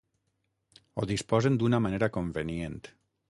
Ho disposen d'una manera convenient.